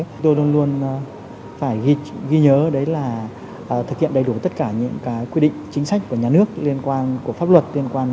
chúng tôi luôn luôn phải ghi nhớ là thực hiện đầy đủ tất cả những quy định chính sách của nhà nước liên quan của pháp luật